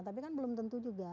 tapi kan belum tentu juga